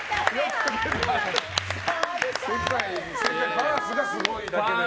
パースがすごいだけです。